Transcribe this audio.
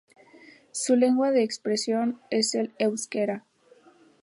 Su lengua de expresión es el euskera.